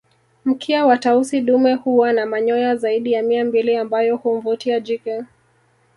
Mkia wa Tausi dume huwa na manyoya zaidi ya mia mbili ambayo humvutia jike